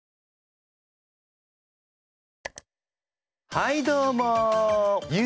はいどうも。